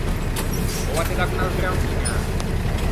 Oua te daggo unna sgranfignâ!